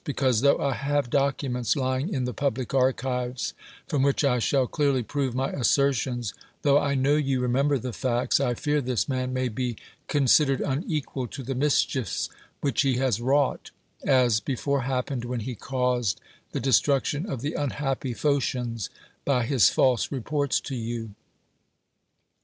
Because, tho I have documeiits ly ing in the public archives, from which I shall clearly prove my assertions, tho I know you remember the facts, I fear this man may be con sidered unecjual to the mischiefs which he has wrought; as before happened, when he caused 160 DEMOSl^HENES the destruction of the unhappy Phocians by his false reports to you.